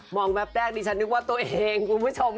งแป๊บแรกดิฉันนึกว่าตัวเองคุณผู้ชม